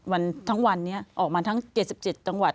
ทั้งวันนี้ออกมาทั้ง๗๗จังหวัด